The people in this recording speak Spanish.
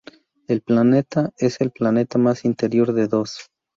El planeta es el planeta más interior de dos.